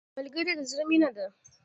ملګری د زړه مینه ده